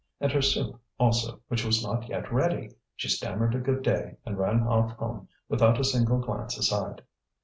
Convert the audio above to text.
And her soup, also, which was not yet ready! She stammered a good day, and ran off home without a single glance aside.